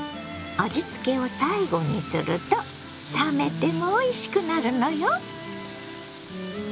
味付けを最後にすると冷めてもおいしくなるのよ！